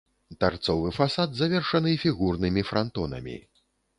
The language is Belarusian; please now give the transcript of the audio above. Тарцовы фасад завершаны фігурнымі франтонамі.